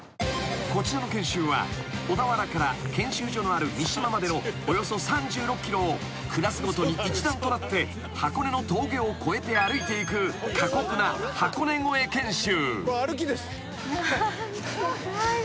［こちらの研修は小田原から研修所のある三島までのおよそ３６ｋｍをクラスごとに一団となって箱根の峠を越えて歩いていく過酷な箱根越え研修］